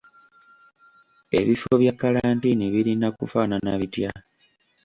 Ebifo bya kkalantiini birina kufaanana bitya?